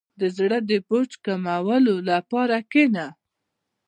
• د زړۀ د بوج کمولو لپاره کښېنه.